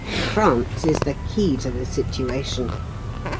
France is the key to the situation.